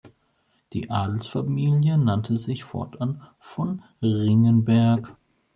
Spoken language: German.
Die Adelsfamilie nannte sich fortan "von Ringgenberg".